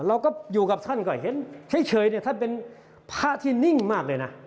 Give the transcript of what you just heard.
เราก็อยู่กับท่านก็เห็นเฉยเนี่ยท่านเป็นพระที่นิ่งมากเลยนะ